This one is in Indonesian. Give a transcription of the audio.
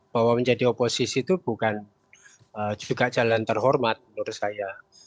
bahwa menjadi oposisi itu bukan juga jalan terhormat menurut saya